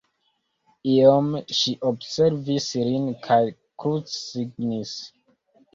Iom ŝi observis lin kaj krucsignis.